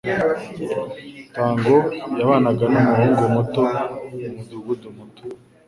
Tango yabanaga numuhungu muto mumudugudu muto.